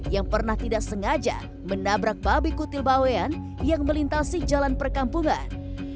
yang pernah tidak sengaja menabrak babi kutil bawean yang melintasi jalan perkampungan